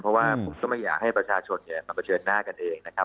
เพราะว่าผมก็ไม่อยากให้ประชาชนมาเผชิญหน้ากันเองนะครับ